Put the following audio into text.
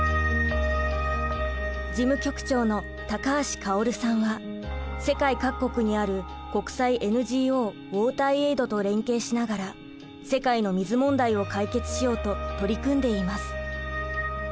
事務局長の高橋郁さんは世界各国にある国際ＮＧＯウォーターエイドと連携しながら世界の水問題を解決しようと取り組んでいます。